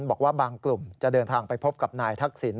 บอกว่าบางกลุ่มจะเดินทางไปพบกับนายทักษิณ